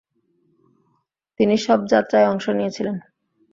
তিনি শবযাত্রায় অংশ নিয়েছিলেন।